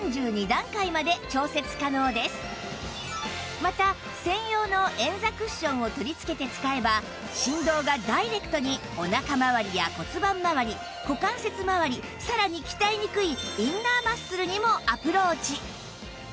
また専用の円座クッションを取り付けて使えば振動がダイレクトにお腹まわりや骨盤まわり股関節まわりさらに鍛えにくいインナーマッスルにもアプローチ